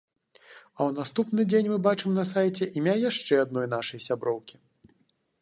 А ў наступны дзень мы бачым на сайце імя яшчэ адной нашай сяброўкі.